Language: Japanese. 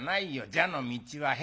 蛇の道は蛇。